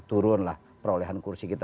turunlah perolehan kursi kita